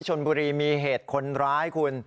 ชนบุรีมีเหตุคนร้ายคุณ